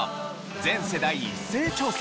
全世代一斉調査